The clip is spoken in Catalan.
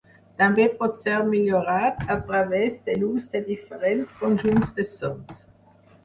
També pot ser millorat a través de l'ús de diferents conjunts de sons.